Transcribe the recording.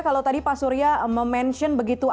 kalau tadi pak surya memention begitu